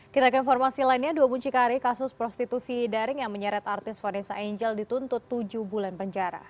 kita ke informasi lainnya dua muncikari kasus prostitusi daring yang menyeret artis vanessa angel dituntut tujuh bulan penjara